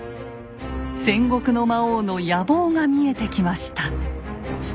戦国の魔王の野望が見えてきました。